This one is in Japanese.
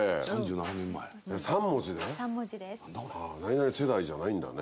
何々世代じゃないんだね。